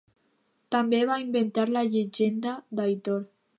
També va inventar la llegenda d'Aitor.